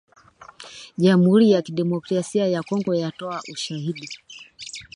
Jamhuri ya Kidemokrasia ya Kongo yatoa ushahidi.